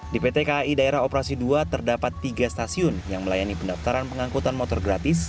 di pt kai daerah operasi dua terdapat tiga stasiun yang melayani pendaftaran pengangkutan motor gratis